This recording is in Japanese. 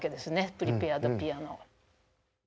プリペアド・ピアノを。